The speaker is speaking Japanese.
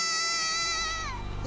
え？